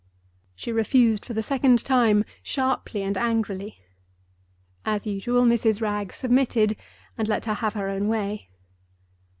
She refused for the second time, sharply and angrily. As usual, Mrs. Wragge submitted, and let her have her own way.